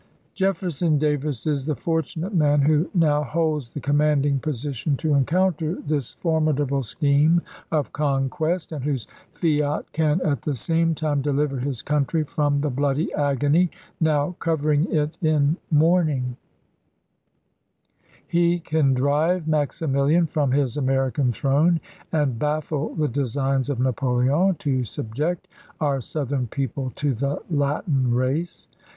.." i Jefferson Davis is the fortunate man who now holds the commanding position to encounter this formidable scheme of conquest, and whose fiat can at the same time deliver his country from the Chap. V. Blair, Report. MS. Jan., 1865. 100 ABKAHAM LINCOLN chap.v. bloody agony now covering it in mourning. He can drive Maximilian from his American throne, import, and baffle the designs of Napoleon to subject our MS Jan., 1865. Southern people to the " Latin race."